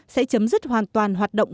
sẽ chấm dứt hoàn toàn hoạt động